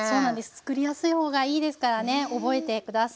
つくりやすい方がいいですからね覚えて下さい。